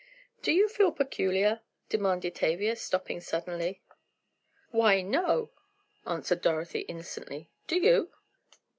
"Do you feel peculiar?" demanded Tavia, stopping suddenly. "Why, no," answered Dorothy innocently; "do you?"